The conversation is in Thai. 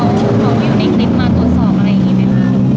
แม่คะที่เขาเข้าอยู่ในกรมมาตรวจสอบอะไรอย่างงี้ได้มั้ย